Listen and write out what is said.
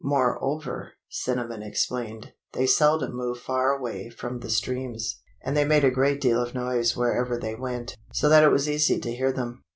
Moreover, Cinnamon explained, they seldom moved far away from the streams, and they made a great deal of noise wherever they went, so that it was easy to hear them.